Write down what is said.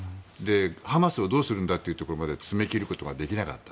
ハマスをどうするんだというところまで詰め切ることができなかった。